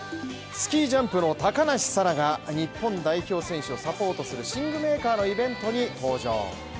スキージャンプの高梨沙羅が日本代表選手をサポートする寝具メーカーのイベントに登場。